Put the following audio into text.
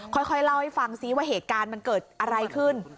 ค่อยเล่าให้ฟังซิว่าเหตุการณ์มันเกิดอะไรขึ้น